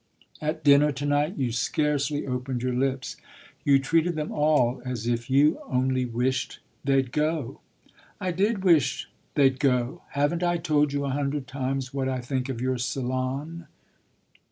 At dinner to night you scarcely opened your lips; you treated them all as if you only wished they'd go." "I did wish they'd go. Haven't I told you a hundred times what I think of your salon?"